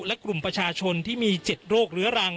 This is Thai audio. และกลุ่มประชาชนที่มี๗โรคเรื้อรัง